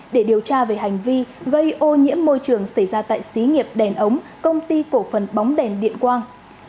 để điều tra về hành vi gây ô nhiễm môi trường xảy ra tại xí nghiệp đèn ống công ty cổ phần bóng đèn điện quang